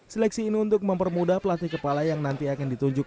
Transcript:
seleksi ini untuk mempermudah pelatih kepala yang nanti akan ditunjuk